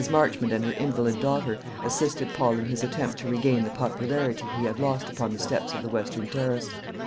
Marchmont and her invalid daughter assisted Paul in his attempt to regain the popularity he had lost upon the steps of the western terrace.